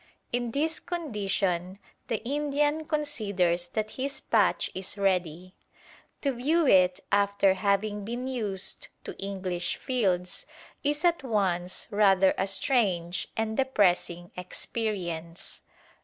In this condition the Indian considers that his patch is ready. To view it after having been used to English fields is at once rather a strange and depressing experience.